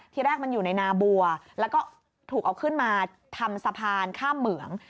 ทีแรกมันอยู่ในนาบัวแล้วก็ถูกเอาขึ้นมาทำสะพานข้ามเหมือง